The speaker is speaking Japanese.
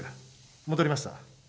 戻りました。